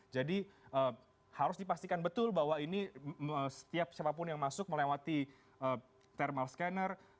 harus dipastikan betul bahwa ini setiap siapapun yang masuk melewati thermal scanner